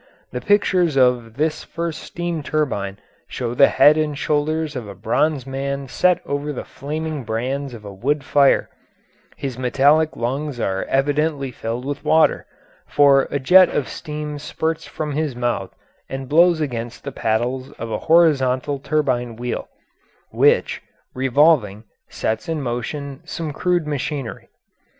The pictures of this first steam turbine show the head and shoulders of a bronze man set over the flaming brands of a wood fire; his metallic lungs are evidently filled with water, for a jet of steam spurts from his mouth and blows against the paddles of a horizontal turbine wheel, which, revolving, sets in motion some crude machinery.